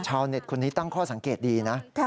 ชาวเน็ตคนนี้ตั้งข้อสังเกตดีนะ